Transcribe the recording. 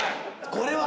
これは。